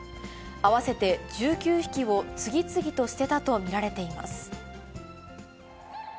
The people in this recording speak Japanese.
合わせて１９匹を次々と捨てたと見られています。